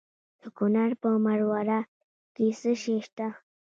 د کونړ په مروره کې څه شی شته؟